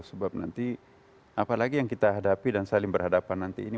sebab nanti apalagi yang kita hadapi dan saling berhadapan nanti ini